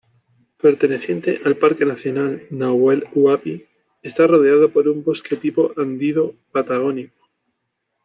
Perteneciente al Parque Nacional Nahuel Huapi, está rodeado por un bosque tipo andido-patagónico.